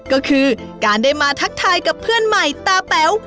ก็คือการได้มาทักทายกับเพื่อนใหม่ตาแป๋ว